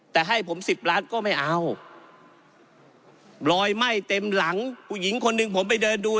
แต่ให้ผมสิบล้านก็ไม่เอารอยไหม้เต็มหลังผู้หญิงคนหนึ่งผมไปเดินดู